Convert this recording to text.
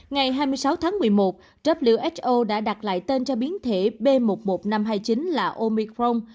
ngày hai mươi sáu tháng một mươi một who đã đặt lại tên cho biến thể b một một năm trăm hai mươi chín là omicron